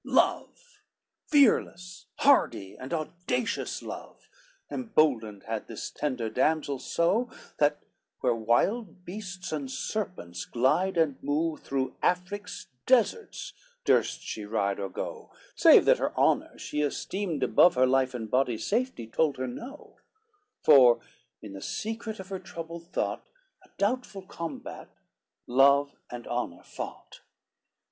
LXX Love, fearless, hardy, and audacious love, Emboldened had this tender damsel so, That where wild beasts and serpents glide and move Through Afric's deserts durst she ride or go, Save that her honor, she esteemed above Her life and body's safety, told her no; For in the secret of her troubled thought, A doubtful combat, love and honor fought.